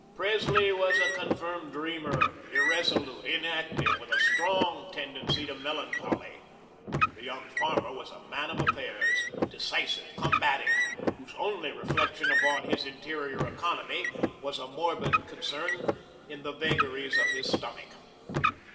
Presley was a confirmed dreamer, irresolute, inactive, with a strong tendency to melancholy; the young farmer was a man of affairs, decisive, combative, whose only reflection upon his interior economy was a morbid concern in the vagaries of his stomach.